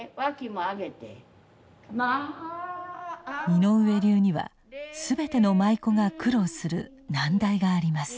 井上流には全ての舞妓が苦労する難題があります。